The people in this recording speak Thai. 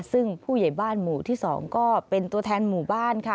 ซึ่งผู้ใหญ่บ้านหมู่ที่๒ก็เป็นตัวแทนหมู่บ้านค่ะ